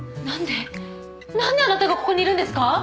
何であなたがここにいるんですか？